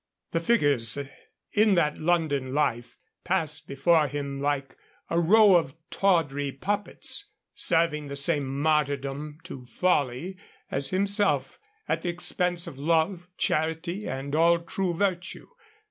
The figures in that London life passed before him like a row of tawdry puppets, serving the same martyrdom to folly as himself, at the expense of love, charity, and all true virtue.